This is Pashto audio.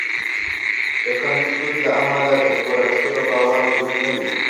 د کم سود له امله د پور اخیستلو بار دروند نه وي.